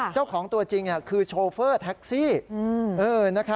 เจ้าของตัวจริงคือโชเฟอร์แท็กซี่